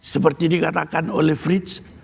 seperti dikatakan oleh frits